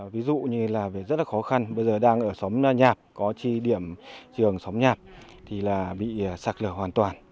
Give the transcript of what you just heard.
ví dụ như là rất là khó khăn bây giờ đang ở xóm nhạp có chi điểm trường xóm nhạp thì bị sạc lở hoàn toàn